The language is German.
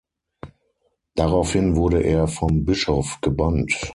Daraufhin wurde er vom Bischof gebannt.